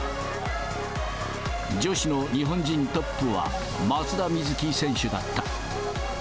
女子の日本人トップは、松田瑞生選手だった。